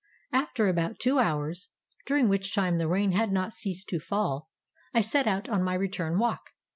After about two hours, during which time the rain had not ceased to fall, I set out on my return walk.